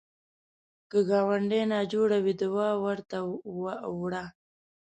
که ګاونډی ناجوړه وي، دوا ورته وړه